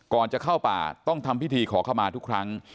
ก่อนจะเข้าป่าต้องทำพิธีขอเข้ามาทุกครั้ง